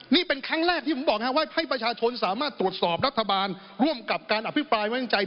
นี่เป็นได้แรกที่บอกให้ประชาชนสามารถตรวจสอบรัฐบาลร่วมกับการอภิษภายมาติใจ